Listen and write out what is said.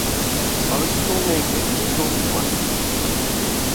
Alışkın olmayan götte don durmaz!